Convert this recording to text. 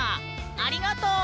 ありがとう。